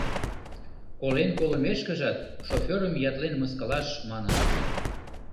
Колен колымешкыжак, шоферым ятлен мыскылыш, маныт.